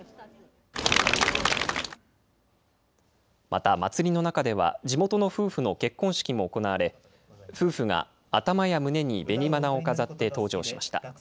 また祭りの中では、地元の夫婦の結婚式も行われ、夫婦が頭や胸に紅花を飾って登場しました。